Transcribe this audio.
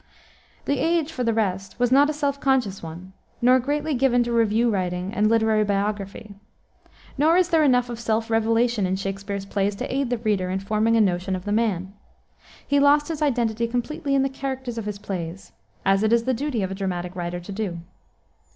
The age, for the rest, was not a self conscious one, nor greatly given to review writing and literary biography. Nor is there enough of self revelation in Shakspere's plays to aid the reader in forming a notion of the man. He lost his identity completely in the characters of his plays, as it is the duty of a dramatic writer to do.